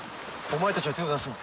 お前たちは手を出すな。